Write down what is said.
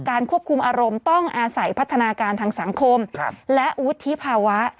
ควบคุมอารมณ์ต้องอาศัยพัฒนาการทางสังคมและวุฒิภาวะ